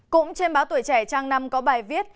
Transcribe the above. cũng trên báo tuổi trẻ trang năm có bài viết